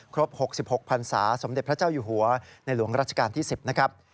ครบ๖๖พันศาสมเด็จพระเจ้าอยู่หัวในหลวงราชการที่๑๐นะครับ